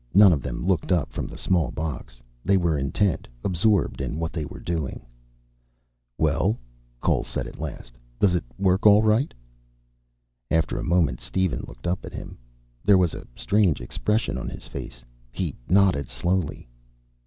None of them looked up from the small box. They were intent, absorbed in what they were doing. "Well?" Cole said, at last. "Does it work all right?" After a moment Steven looked up at him. There was a strange expression on his face. He nodded slowly.